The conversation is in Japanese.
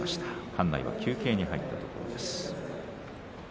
館内は休憩に入ったところです。